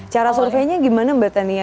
cara surveinya gimana mbak tania